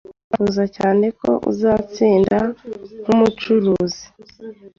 Nifuje cyane ko uzatsinda nkumucuruzi.